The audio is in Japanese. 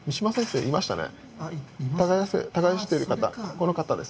この方です。